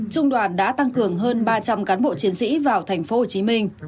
trung đoàn đã tăng cường hơn ba trăm linh cán bộ chiến sĩ vào tp hcm